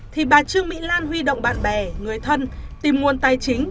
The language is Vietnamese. thì bà trương mỹ lan huy động bạn bè người thân tìm nguồn tài chính